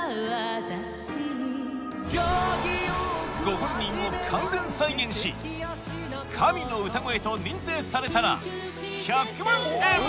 ご本人を完全再現し神の歌声と認定されたら１００万円！